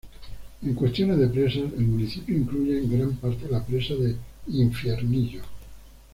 En cuestiones de presas el municipio incluye en gran parte la presa de Infiernillo.